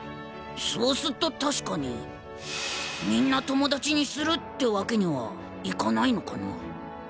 そうすっと確かにみんな友達にするってわけにはいかないのかな